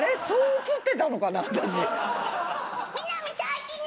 そう映ってたのかな私。